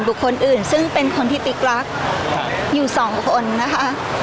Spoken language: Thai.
คนอื่นซึ่งเป็นคนที่ติ๊กรักอยู่สองคนนะคะ